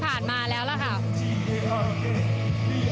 ภาพที่คุณผู้ชมเห็นอยู่นี้นะคะบรรยากาศหน้าเวทีตอนนี้เริ่มมีผู้แทนจำหน่ายไปจับจองพื้นที่